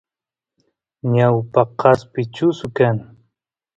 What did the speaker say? ñawpa kaspi chusu kan